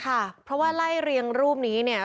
ค่ะเพราะว่าไล่เรียงรูปนี้เนี่ย